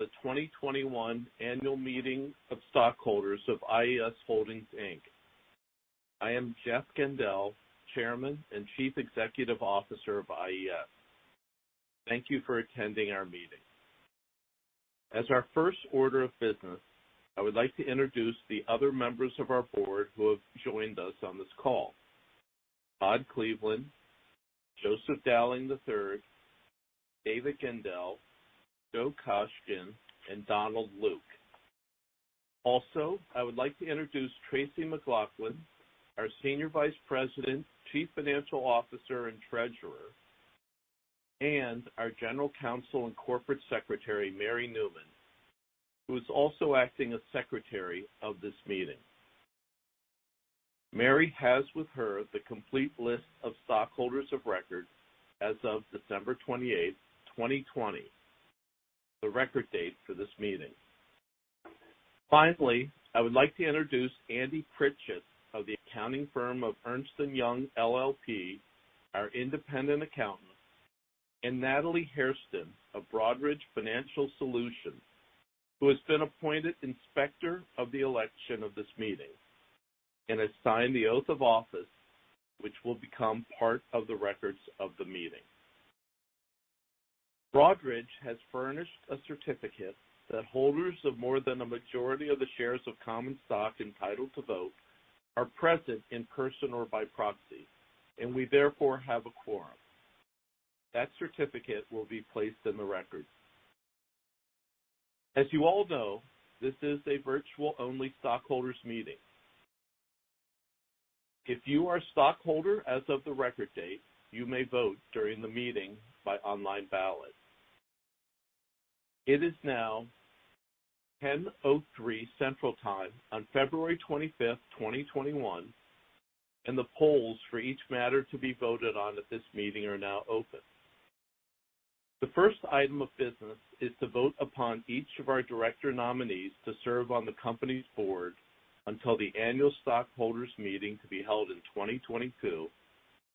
The 2021 annual meeting of stockholders of IES Holdings, Inc. I am Jeff Gendell, Chairman and Chief Executive Officer of IES. Thank you for attending our meeting. As our first order of business, I would like to introduce the other members of our board who have joined us on this call. Todd Cleveland, Joseph Dowling III, David Gendell, Joe Koshkin, and Donald Luke. Also, I would like to introduce Tracy McLauchlin, our Senior Vice President, Chief Financial Officer, and Treasurer, and our General Counsel and Corporate Secretary, Mary Newman, who is also acting as Secretary of this meeting. Mary has with her the complete list of stockholders of record as of December 28, 2020, the record date for this meeting. Finally, I would like to introduce Andy Pritchett of the accounting firm of Ernst & Young, LLP, our independent accountant, and Natalie Hairston of Broadridge Financial Solutions, who has been appointed Inspector of the election of this meeting and has signed the oath of office, which will become part of the records of the meeting. Broadridge has furnished a certificate that holders of more than a majority of the shares of common stock entitled to vote are present in person or by proxy, and we therefore have a quorum. That certificate will be placed in the records. As you all know, this is a virtual-only stockholders meeting. If you are a stockholder as of the record date, you may vote during the meeting by online ballot. It is now 10:03 Central Time on February 25, 2021, and the polls for each matter to be voted on at this meeting are now open. The first item of business is to vote upon each of our director nominees to serve on the company's board until the annual stockholders meeting to be held in 2022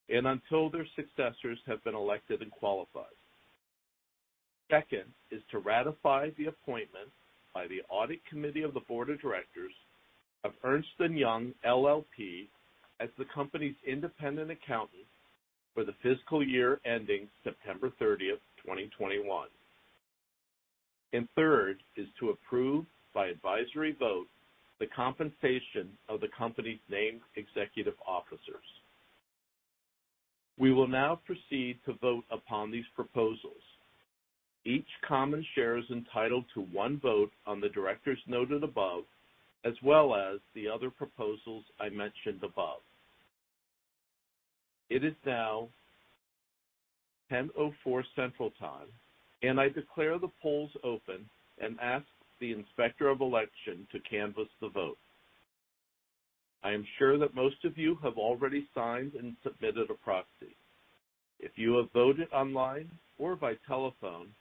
and until their successors have been elected and qualified. Second is to ratify the appointment by the Audit Committee of the Board of Directors of Ernst & Young, LLP, as the company's independent accountant for the fiscal year ending September 30, 2021. And third is to approve, by advisory vote, the compensation of the company's named executive officers. We will now proceed to vote upon these proposals. Each common share is entitled to one vote on the directors noted above, as well as the other proposals I mentioned above. It is now 10:04 A.M. Central Time, and I declare the polls open and ask the Inspector of Election to canvass the vote. I am sure that most of you have already signed and submitted a proxy. If you have voted online or by telephone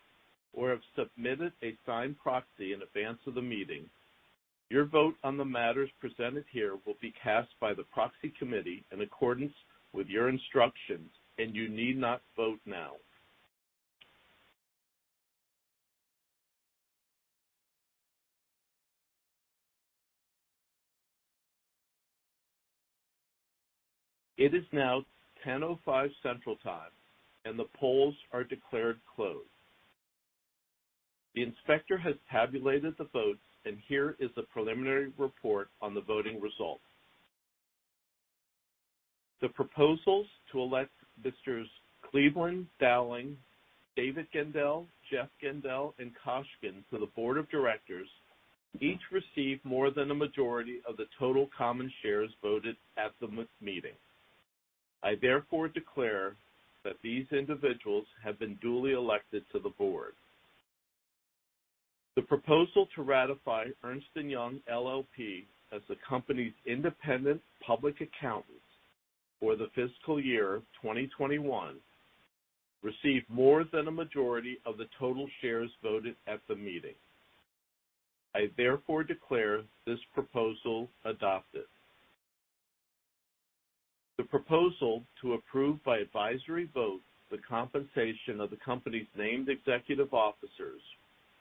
or have submitted a signed proxy in advance of the meeting, your vote on the matters presented here will be cast by the Proxy Committee in accordance with your instructions, and you need not vote now. It is now 10:05 A.M. Central Time, and the polls are declared closed. The Inspector has tabulated the votes, and here is the preliminary report on the voting results. The proposals to elect Misters Cleveland, Dowling, David Gendell, Jeff Gendell, and Koshkin to the Board of Directors each received more than a majority of the total common shares voted at the meeting. I therefore declare that these individuals have been duly elected to the board. The proposal to ratify Ernst & Young LLP as the company's independent public accountant for the fiscal year 2021 received more than a majority of the total shares voted at the meeting. I therefore declare this proposal adopted. The proposal to approve by advisory vote the compensation of the company's named executive officers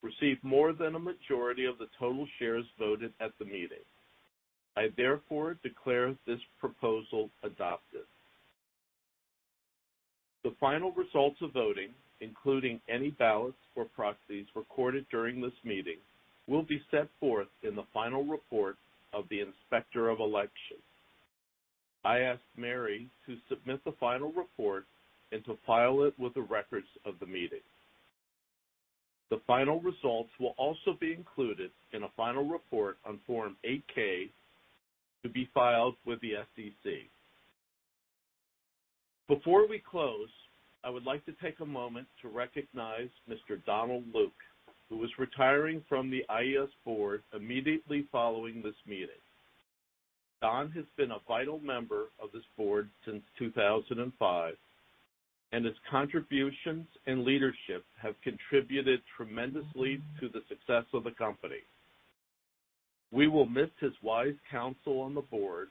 received more than a majority of the total shares voted at the meeting. I therefore declare this proposal adopted. The final results of voting, including any ballots or proxies recorded during this meeting, will be set forth in the final report of the Inspector of Election. I ask Mary to submit the final report and to file it with the records of the meeting. The final results will also be included in a final report on Form 8-K to be filed with the SEC. Before we close, I would like to take a moment to recognize Mr. Donald Luke, who is retiring from the IES Board immediately following this meeting. Don has been a vital member of this Board since 2005, and his contributions and leadership have contributed tremendously to the success of the company. We will miss his wise counsel on the Board,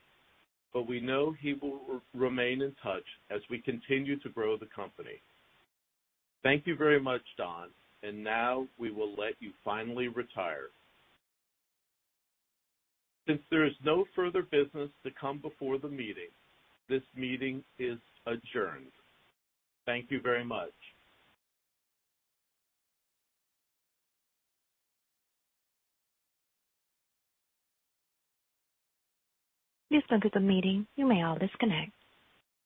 but we know he will remain in touch as we continue to grow the company. Thank you very much, Don, and now we will let you finally retire. Since there is no further business to come before the meeting, this meeting is adjourned. Thank you very much. This ends the meeting. You may all disconnect.